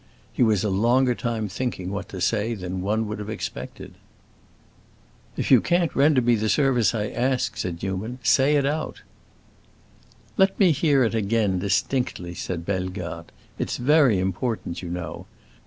He was a longer time thinking what to say than one would have expected. "If you can't render me the service I ask," said Newman, "say it out!" "Let me hear it again, distinctly," said Bellegarde. "It's very important, you know.